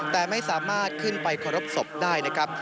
แต่ไม่สามารถขึ้นไปเคารพศพได้นะครับ